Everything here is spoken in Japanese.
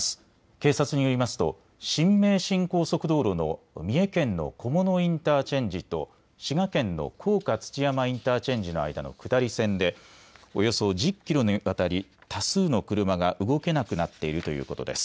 警察によりますと新名神高速道路の三重県の菰野インターチェンジと滋賀県の甲賀土山インターチェンジの間の下り線でおよそ１０キロにわたり多数の車が動けなくなっているということです。